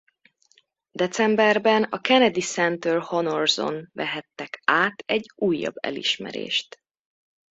Decemberben a Kennedy Center Honors-on vehettek át egy újabb elismerést.